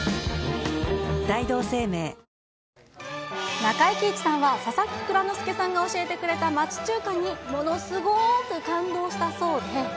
中井貴一さんは、佐々木蔵之介さんが教えてくれた町中華にものすごく感動したそうで。